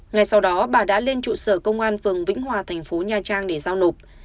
ngay sau đó bà đã lên trụ sở công an phường vĩnh hòa thành phố nha trang để giao nộp